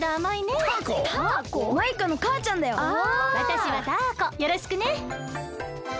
わたしはタアコよろしくね。